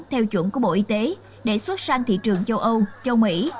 theo chuẩn của bộ y tế để xuất sang thị trường châu âu châu mỹ